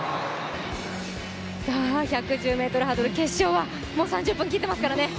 １１０ｍハードル決勝はもう３０分切っていますからね。